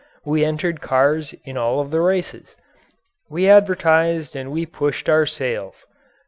We entered cars in all of the races. We advertised and we pushed our sales.